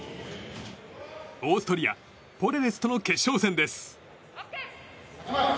オーストリアポレレスとの決勝戦です。